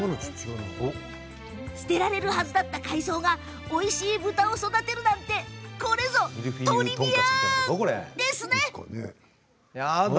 捨てられるはずだった海藻がおいしい豚を育てるなんてこれぞ、とりびあん！